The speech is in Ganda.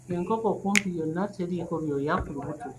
Enkoko kumpi yonna teriiko byoya ku kubuto!